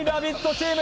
チーム。